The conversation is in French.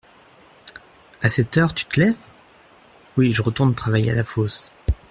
A cette heure, tu te lèves ? Oui, je retourne travailler à la fosse.